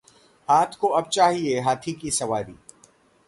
हाथ को अब चाहिए हाथी की सवारी